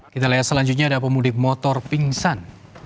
kita lihat selanjutnya ada pemudik motor pingsan